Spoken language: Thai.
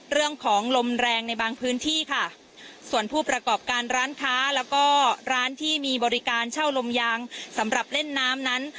เรื่องของลมแรงในบางพื้นที่ค่ะส่วนผู้ประกอบการร้านค้าแล้วก็ร้านที่มีบริการเช่าลมยางสำหรับเล่นน้ำนั้น